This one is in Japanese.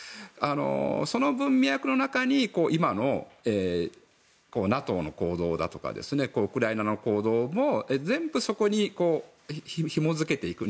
その文脈の中に今のＮＡＴＯの行動だとかウクライナの行動も全部そこにひもづけていく。